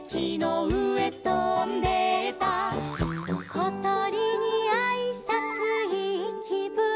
「ことりにあいさついいきぶん」